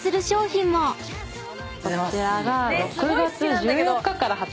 こちらが。